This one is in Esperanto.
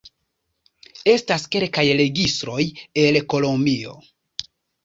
Estas kelkaj registroj el Kolombio.